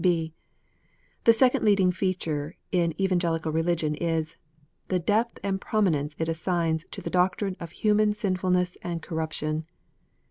(b) The second leading feature in Evangelical Religion is the depth and prominence it assigns to the doctrine of human sinful ness and corruption.